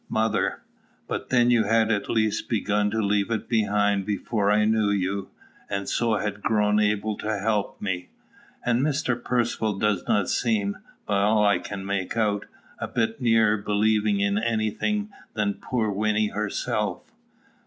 Mother. But then you had at least begun to leave it behind before I knew you, and so had grown able to help me. And Mr. Percivale does not seem, by all I can make out, a bit nearer believing in any thing than poor Wynnie herself.